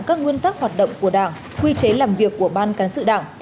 các nguyên tắc hoạt động của đảng quy chế làm việc của ban cán sự đảng